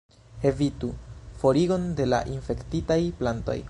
Evitu: forigon de la infektitaj plantoj.